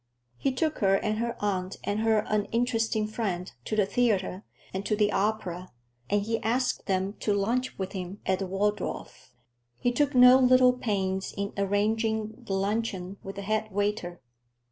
He took her and her aunt and her uninteresting friend to the theater and to the opera, and he asked them to lunch with him at the Waldorf. He took no little pains in arranging the luncheon with the head waiter.